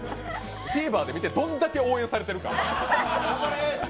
ＴＶｅｒで見て、どれだけ応援されてるか。